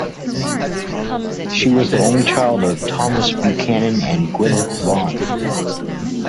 She was the only child of Thomas Buchanan and Gwynneth Vaughan.